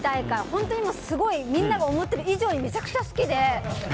本当にもうみんなが思ってる以上にめちゃくちゃ好きで。